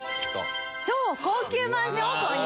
超高級マンションを購入！